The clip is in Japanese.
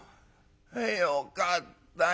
よかったよ。